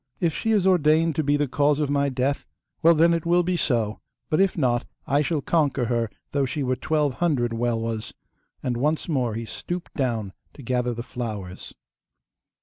If she is ordained to be the cause of my death, well, then it will be so; but if not I shall conquer her though she were twelve hundred Welwas,' and once more he stooped down to gather the flowers.